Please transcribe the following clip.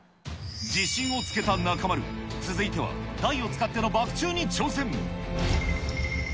自信をつけた中丸、続いては台を使ってのバク宙に挑戦。